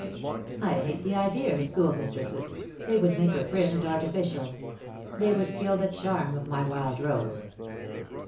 "I hate the idea of schoolmistresses. They would make her prim and artificial. They would kill the. charm of my wild rose."